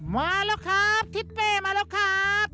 มาแล้วครับทิศเป้มาแล้วครับ